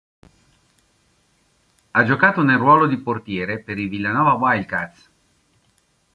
Ha giocato nel ruolo di portiere per i Villanova Wildcats.